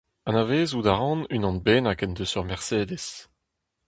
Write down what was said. Anavezout a ran unan bennak en deus ur mercedes.